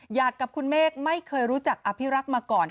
กับคุณเมฆไม่เคยรู้จักอภิรักษ์มาก่อน